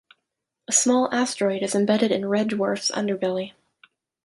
A small asteroid is embedded in "Red Dwarf"s underbelly.